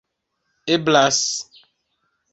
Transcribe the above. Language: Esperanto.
eblas